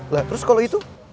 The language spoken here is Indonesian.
lah terus kalau itu